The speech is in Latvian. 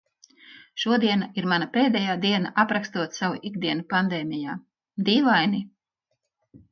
Šodiena ir mana pēdējā diena aprakstot savu ikdienu pandēmijā... dīvaini.